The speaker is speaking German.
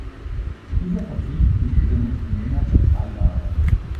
Dieser Verzicht bindet den Unternehmer für zwei Jahre.